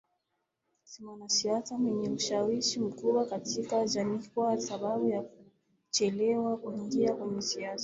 si mwanasiasa mwenye ushawishi mkubwa katika jamiiKwa sababu ya kuchelewa kuingia kwenye siasa